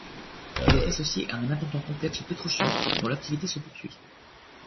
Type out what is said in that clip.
Elle est associée à un important complexe pétrochimique dont l'activité se poursuit.